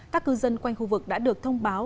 các cư dân quanh khu vực đã được thông báo